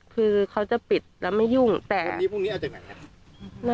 คือเขาจะปิดแล้วไม่ยุ่งแต่วันนี้พรุ่งนี้เอาจากไหนครับ